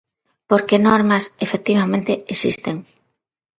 Porque normas, efectivamente, existen.